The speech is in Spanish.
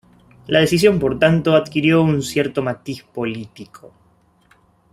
La decisión, por tanto, adquirió un cierto matiz político.